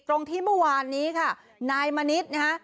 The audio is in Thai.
ตรงที่เมื่อวานนี้ค่ะนายมณิษฐ์นะฮะ